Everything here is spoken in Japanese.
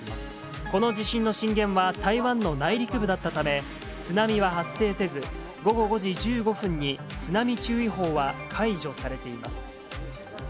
この地震の震源は台湾の内陸部だったため、津波は発生せず、午後５時１５分に津波注意報は解除されています。